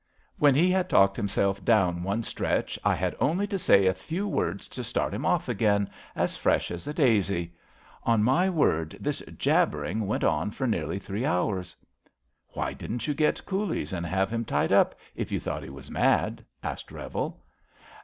When he had talked himself down one stretch, I had only to say a few words to start him off again, as fresh as a daisy. On my word, this jabbering went on for nearly three hours.'' ^* Why didn't you get coolies and have him tied up, if you thought he was madf ^^ asked Revel.